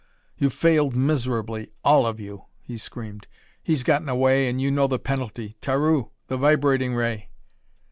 "You've failed miserably, all of you," he screamed. "He's gotten away and you know the penalty. Taru the vibrating ray!"